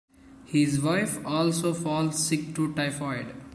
His wife also falls sick to Typhoid.